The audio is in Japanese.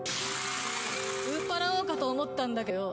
売っ払おうかと思ったんだけどよ